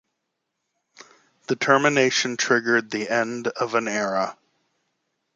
The termination triggered the end of the era.